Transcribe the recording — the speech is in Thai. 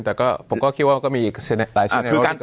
แต่ก็ผมก็คิดว่าก็มีอีกการณ์